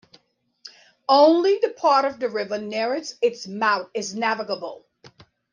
Only the part of the river nearest its mouth is navigable.